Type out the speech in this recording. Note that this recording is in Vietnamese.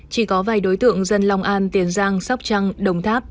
chỉ có vài đối tượng dân long an tiền giang sóc trăng đồng tháp